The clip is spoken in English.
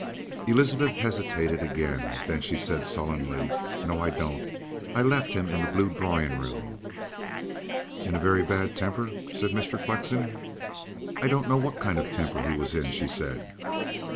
Elizabeth hesitated again. Then she said sullenly: "No, I don't. I left him in the blue drawing room." "In a very bad temper?" said Mr. Flexen. "I don't know what kind of a temper he was in," she said. Mr.